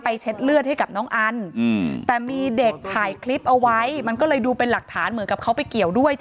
เช็ดเลือดให้กับน้องอันแต่มีเด็กถ่ายคลิปเอาไว้มันก็เลยดูเป็นหลักฐานเหมือนกับเขาไปเกี่ยวด้วย